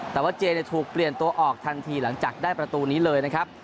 แต่ว่าเจถูกเปลี่ยนตัวออกทันทีหลังจากได้ประตูนี้เลยนะครับ